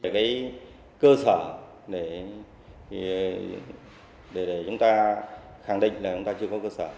cái cơ sở để chúng ta khẳng định là chúng ta chưa có cơ sở